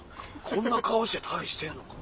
こんな顔して旅してんのか。